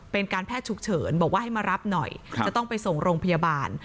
เป็นการแพทย์ฉุกเฉินบอกว่าให้มารับหน่อยจะต้องไปส่งโรงพยาบาล